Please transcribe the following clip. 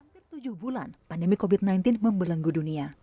hampir tujuh bulan pandemi covid sembilan belas membelenggu dunia